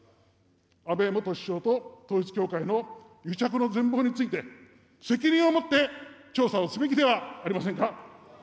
安倍元首相と統一教会の癒着の全貌について、責任を持って調査をすべきではありませんか。